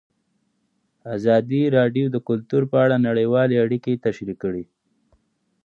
ازادي راډیو د کلتور په اړه نړیوالې اړیکې تشریح کړي.